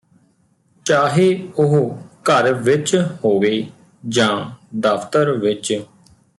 ਚਾਹੇ ਉਹ ਘਰ ਵਿਚ ਹੋਵੇ ਜਾਂ ਦਫਤਰ ਵਿਚ